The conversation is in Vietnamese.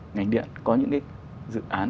ngành điện có những cái dự án